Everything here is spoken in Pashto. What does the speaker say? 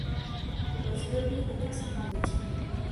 که بزګر وي نو فصل نه وچیږي.